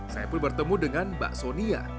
saya pun bertemu dengan mbak sonia